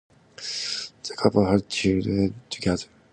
The couple has children together.